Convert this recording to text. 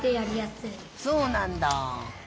そうなんだ。